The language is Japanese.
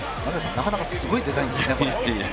なかなかすごいデザインですね。